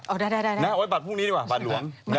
เอาดีนะเอาไว้บาทหลวงพรุ่งนี้ดีกว่าบาทหลวงนะ